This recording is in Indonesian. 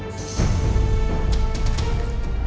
premise itu ya